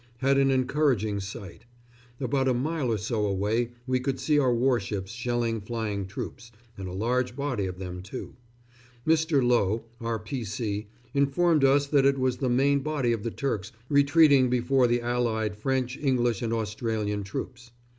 Had an encouraging sight. About a mile or so away we could see our warships shelling flying troops and a large body of them, too. Mr. Lowe, our P.C., informed us that it was the main body of the Turks retreating before the allied French, English, and Australian troops.